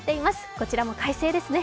こちらも快晴ですね。